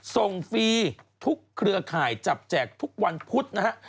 ฟรีทุกเครือข่ายจับแจกทุกวันพุธนะฮะ